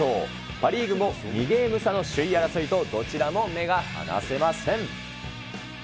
パ・リーグも２ゲーム差の首位争いと、どちらも目が離せません。